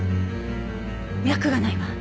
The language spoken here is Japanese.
脈がないわ。